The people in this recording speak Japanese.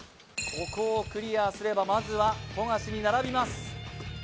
ここをクリアすればまずは富樫に並びます